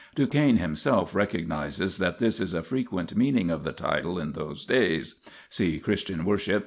Duchesne him self recognizes that this is a frequent meaning of the title in those days (see Christian Worship, pp.